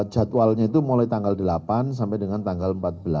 jadwalnya itu mulai tanggal delapan sampai dengan tanggal empat belas